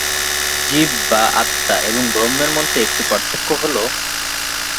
জীব বা আত্মা এবং ব্রহ্মের মধ্যে একটি পার্থক্য হল।